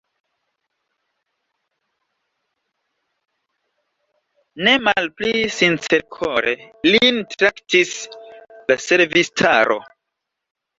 Ne malpli sincerkore lin traktis la servistaro.